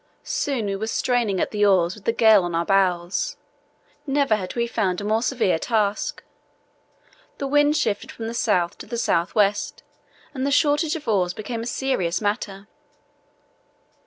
Soon we were straining at the oars with the gale on our bows. Never had we found a more severe task. The wind shifted from the south to the south west, and the shortage of oars became a serious matter.